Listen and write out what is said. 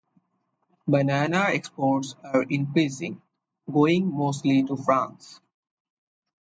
Banana exports are increasing, going mostly to France.